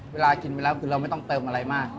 เวลากินไปแล้วคือเราไม่ต้องเติมอะไรมาก